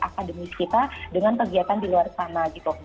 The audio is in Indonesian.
akademis kita dengan kegiatan di luar sana gitu